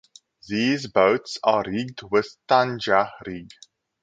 These boats are rigged with tanja rig.